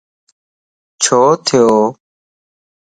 ڇو ٿيو؟